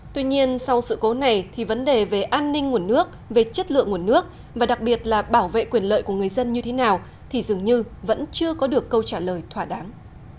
tuy nhiên sau sự cố này thì vấn đề về an ninh nguồn nước về chất lượng nguồn nước và đặc biệt là bảo vệ quyền lợi của người dân như thế nào thì dường như vẫn chưa có được câu trả lời thỏa đáng